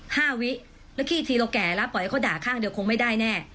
วิแล้วขี้ทีเราแก่แล้วปล่อยให้เขาด่าข้างเดียวคงไม่ได้แน่